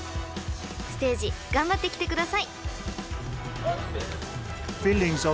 ［ステージ頑張ってきてください！］